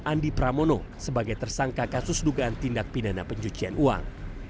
andi pramono sebagai tersangka kasus dugaan tindak pidana pencucian uang